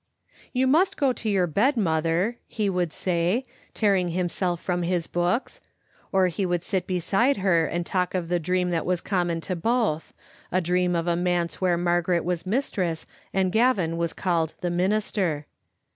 "You must go to your bed, mother," he would say, tearing himself from his books ; or he would sit beside her and talk of the dream that was common to both — a dream of a manse where Margaret was mistress and Gavin was called the minister.